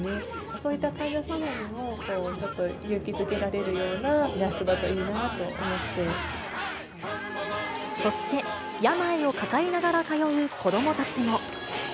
そういった患者様にも勇気づけられるようなイラストだといいなとそして、病を抱えながら通う子どもたちも。